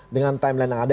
dengan timeline yang ada